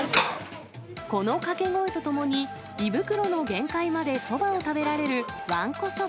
この掛け声とともに胃袋の限界までそばを食べられるわんこそば。